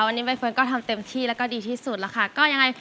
วันนี้ใบเฟิร์นก็ทำเต็มที่แล้วก็ดีที่สุดแล้วค่ะก็ยังไง